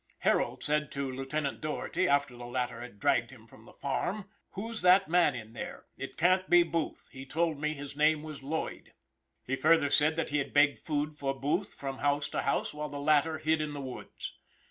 Harold said to Lieutenant Doherty, after the latter had dragged him from the barn. "Who's that man in there? It can't be Booth; he told me his name was Loyd." He further said that he had begged food for Booth from house to house while the latter hid in the woods.